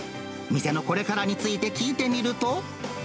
店のこれからについて聞いてみると。